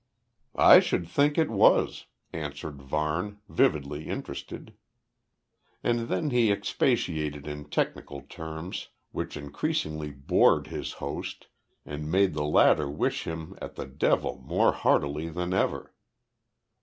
"I should think it was," answered Varne, vividly interested. And then he expatiated in technical terms, which increasingly bored his host and made the latter wish him at the devil more heartily than ever.